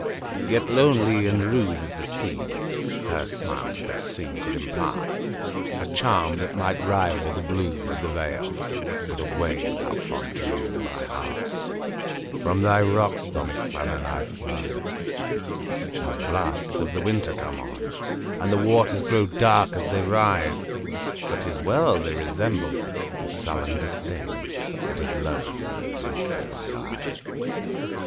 Yet lonely and rude as the scene, Her smile to that scene could impartA charm that might rival the bloom of the vale,—But away, thou fond dream of my heart! From thy rocks, stormy Llannon, I fly. Now the blasts of the winter come on, And the waters grow dark as they rise! But 't is well!—they resemble the sullen disdainThat has lowered in those insolent eyes.